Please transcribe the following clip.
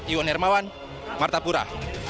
iwan hermawan martapura